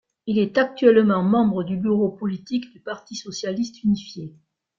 Il est actuellement membre du bureau politique du Parti socialiste unifié.